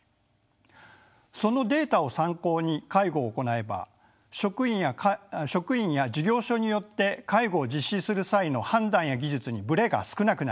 そのデータを参考に介護を行えば職員や事業所によって介護を実施する際の判断や技術にブレが少なくなります。